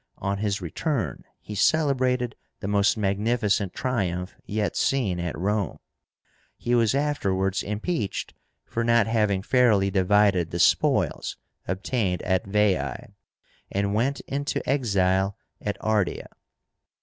On his return he celebrated the most magnificent triumph yet seen at Rome. He was afterwards impeached for not having fairly divided the spoils obtained at Veii, and went into exile at Ardea.